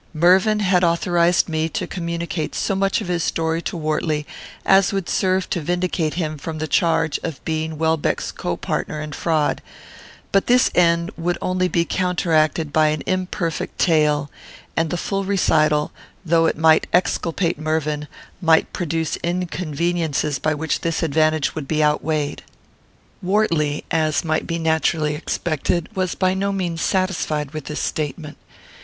Mervyn had authorized me to communicate so much of his story to Wortley, as would serve to vindicate him from the charge of being Welbeck's co partner in fraud; but this end would only be counteracted by an imperfect tale, and the full recital, though it might exculpate Mervyn, might produce inconveniences by which this advantage would be outweighed. Wortley, as might be naturally expected, was by no means satisfied with this statement.